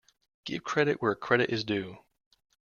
Give credit where credit is due.